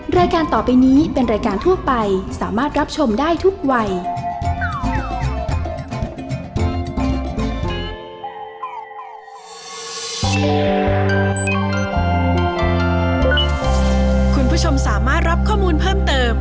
รายการต่อไปนี้เป็นรายการทั่วไปสามารถรับชมได้ทุกวัย